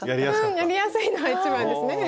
やりやすいのは一番ですね。